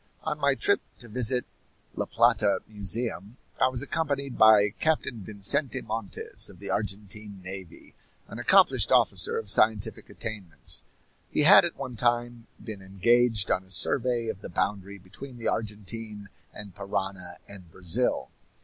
On my trip to visit La Plata Museum I was accompanied by Captain Vicente Montes, of the Argentine Navy, an accomplished officer of scientific attainments. He had at one time been engaged on a survey of the boundary between the Argentine and Parana and Brazil.